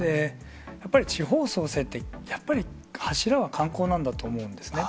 やっぱり地方創生って、やっぱり柱は観光なんだと思うんですね。